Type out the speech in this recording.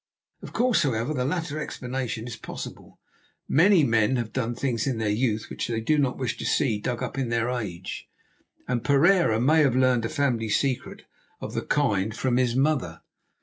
Of course, however, the latter explanation is possible. Many men have done things in their youth which they do not wish to see dug up in their age; and Pereira may have learned a family secret of the kind from his mother.